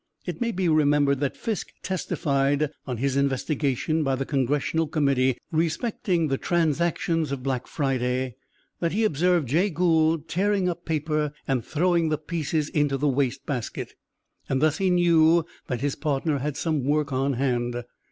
It may be remembered that Fisk testified on his investigation by the Congressional Committee respecting the transactions of Black Friday, that he observed Jay Gould tearing up paper and throwing the pieces into the waste basket, and thus he knew that his partner had some work on hand.